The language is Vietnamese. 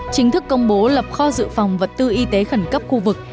chính thức công bố lập kho dự phòng vật tư y tế khẩn cấp khu vực